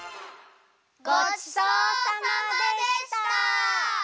ごちそうさまでした！